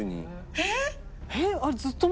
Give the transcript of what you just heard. えっ！